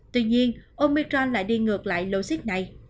tuy nhiên omicron lại đi ngược lại lô xích này